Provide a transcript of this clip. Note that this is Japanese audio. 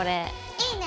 いいね！